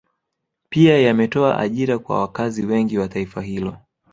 Pia yametoa ajira kwa wakazi wengi wa taifa hilo